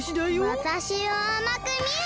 わたしをあまくみるな！